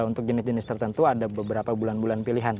untuk jenis jenis tertentu ada beberapa bulan bulan pilihan